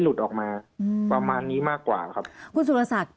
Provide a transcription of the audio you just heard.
หลุดออกมาอืมประมาณนี้มากกว่าครับคุณสุรศักดิ์